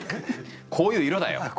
こういう色だよ！